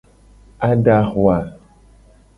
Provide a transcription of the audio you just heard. Adava.